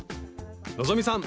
希さん